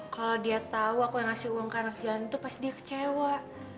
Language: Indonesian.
kalau dia tahu aku yang ngasih uang ke anak jalan itu pasti dia kecewa